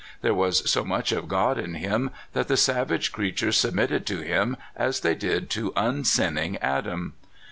There was so much of God in him that the savage creatures sub mitted to him as they did to unsinning Adam.